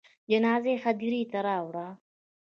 جنازه یې هدیرې ته راوړه.